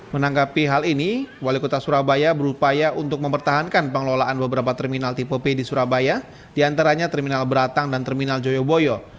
menanggapi hal ini wali kota surabaya berupaya untuk mempertahankan pengelolaan beberapa terminal tipe p di surabaya diantaranya terminal beratang dan terminal joyoboyo